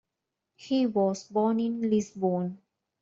He was born in Lisbon.